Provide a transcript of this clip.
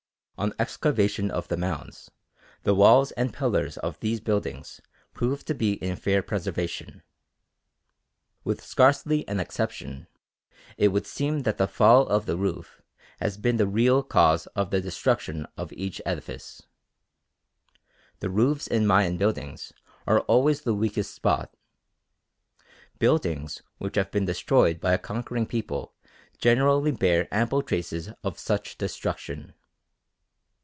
On excavation of the mounds, the walls and pillars of these buildings prove to be in fair preservation. With scarcely an exception, it would seem that the fall of the roof has been the real cause of the destruction of each edifice. The roofs in Mayan buildings are always the weakest spot. Buildings which have been destroyed by a conquering people generally bear ample traces of such destruction.